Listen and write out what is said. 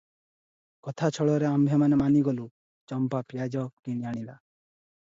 କଥା ଛଳରେ ଆମ୍ଭେମାନେ ମାନିଗଲୁ, ଚମ୍ପା ପିଆଜ କିଣି ଆଣିଲା ।